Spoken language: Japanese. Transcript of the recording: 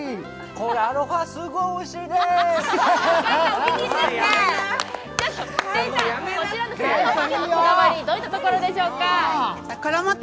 これはアロハ、すごいおいしいですこだわりはどういったところでしょうか？